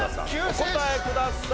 お答えください。